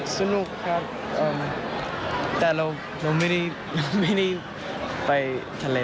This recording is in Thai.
สนุกครับแต่เราไม่ได้ไปทะเล